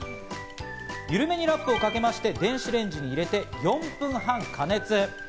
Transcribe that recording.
ゆるめにラップをかけまして電子レンジに入れて４分半加熱。